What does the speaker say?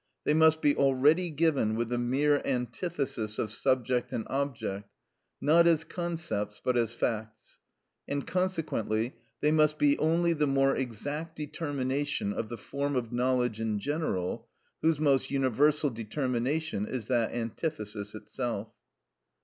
They must be already given with the mere antithesis of subject and object (not as concepts but as facts), and consequently they must be only the more exact determination of the form of knowledge in general, whose most universal determination is that antithesis itself.